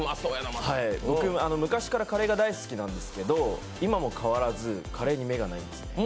昔からカレーが大好きなんですけど、今も変わらずカレーに目がないんです。